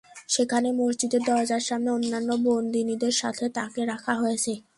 সেখানে মসজিদের দরজার সামনে অন্যান্য বন্দীনীদের সাথে তাকে রাখা হয়েছে।